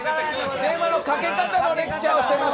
電話の掛け方のレクチャーをしています